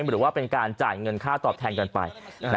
หรือว่าเป็นการจ่ายเงินค่าตอบแทนกันไป